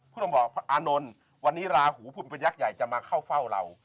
พุทธองค์บอกอานนท์วันนี้ลาหูพุทธองค์เป็นยักษ์ใหญ่จะมาเข้าเฝ้าเรา